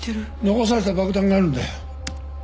残された爆弾があるんだよ。